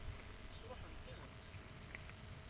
Sṛuḥen-tent?